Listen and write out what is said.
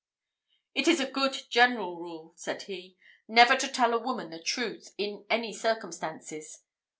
"It is a good general rule," said he, "never to tell a woman the truth, in any circumstances.